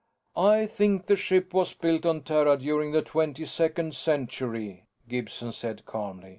"I think the ship was built on Terra during the Twenty second Century," Gibson said calmly.